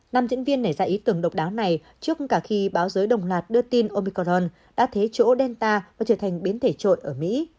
nam diễn viên nảy ra ý tưởng độc đáo này trước cả khi báo giới đồng loạt đưa tin omicorn đã thấy chỗ delta và trở thành biến thể trội ở mỹ